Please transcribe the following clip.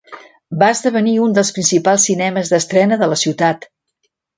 Va esdevenir un dels principals cinemes d'estrena de la ciutat.